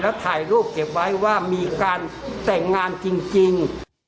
แล้วถ่ายรูปเก็บไว้ว่ามีการแต่งงานจริง